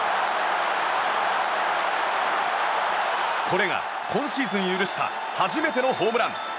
これが今シーズン許した初めてのホームラン。